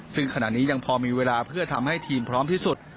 ซึ่งขณะนี้ยังพอมีเวลาเพื่อทำให้ทีมพร้อมที่สุด